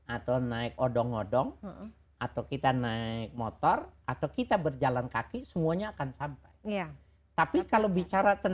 atau naik odong odong atau kita naik motor atau kita berjalan kaki semuanya akan sampai